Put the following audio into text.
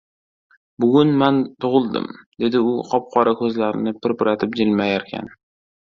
— Bugun man tug‘ildim, — dedi u qop-qora ko‘zlarini pirpiratib jilmayarkan.